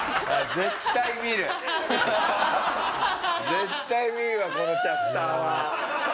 絶対見るわこのチャプターは。